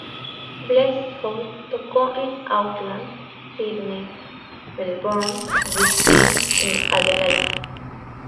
Blessthefall tocó en Auckland, Sydney, Melbourne, Brisbane y Adelaida.